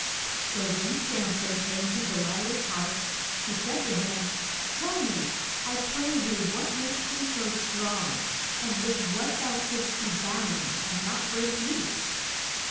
So when Sam son came to De li lah's house she said to him, Tell me, I pray thee what makes thee so strong, and with what thou couldst be bound and not break loose?